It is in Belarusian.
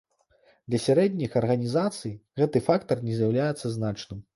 Для сярэдніх арганізацый гэты фактар не з'яўляецца значным.